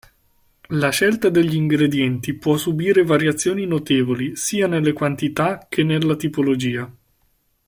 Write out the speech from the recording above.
La scelta degli ingredienti può subire variazioni notevoli, sia nelle quantità che nella tipologia.